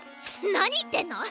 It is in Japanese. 何言ってんの？